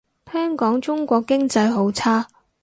聽講中國經濟好差